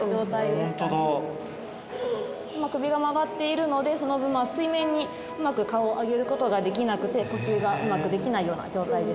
首が曲がっているのでその分水面にうまく顔を上げることができなくて呼吸がうまくできないような状態でした。